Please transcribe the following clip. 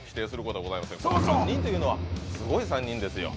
この三人というのはすごい三人ですよ